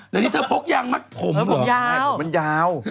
แล้วผมยาว